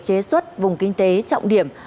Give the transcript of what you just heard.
chế xuất vùng kinh tế trọng điểm